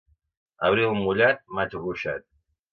Abril mullat, maig ruixat.